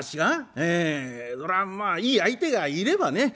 ええそらまあいい相手がいればね